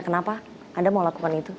kenapa anda mau lakukan itu